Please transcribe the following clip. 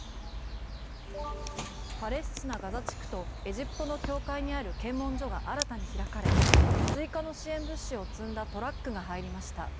パレスチナ・ガザ地区とエジプトの境界にある検問所が新たに開かれ追加の支援物資を積んだトラックが入りました。